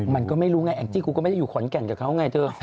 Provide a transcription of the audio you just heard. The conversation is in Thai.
มันก็ไม่รู้ไงแองจี้กูก็ไม่ได้อยู่ขอนแก่นกับเขาไงเธอ